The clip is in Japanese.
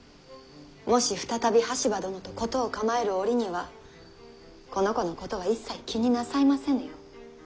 もし再び羽柴殿と事を構える折にはこの子のことは一切気になさいませぬよう。